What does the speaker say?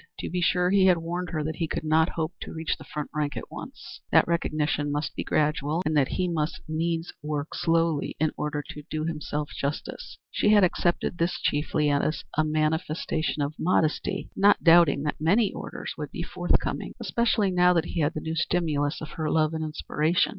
To be sure he had warned her that he could not hope to reach the front rank at once; that recognition must be gradual; and that he must needs work slowly in order to do himself justice. She had accepted this chiefly as a manifestation of modesty, not doubting that many orders would be forthcoming, especially now that he had the new stimulus of her love and inspiration.